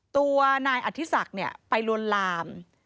ตัวนายอธิสักต์เนี่ยไปลวนลาม